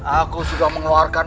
aku sudah mengeluarkan aura jahatnya